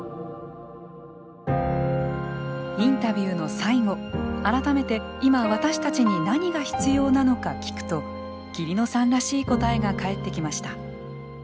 インタビューの最後改めて、今、私たちに何が必要なのか聞くと桐野さんらしい答えが返ってきました。